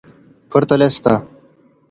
پرتله سته.